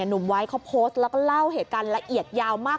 หนุ่มไว้เขาโพสต์แล้วก็เล่าเหตุการณ์ละเอียดยาวมาก